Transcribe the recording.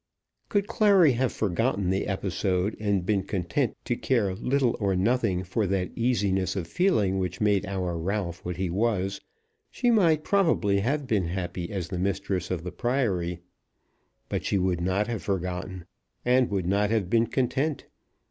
Could Clary have forgotten the episode, and been content to care little or nothing for that easiness of feeling which made our Ralph what he was, she might, probably, have been happy as the mistress of the Priory. But she would not have forgotten, and would not have been content.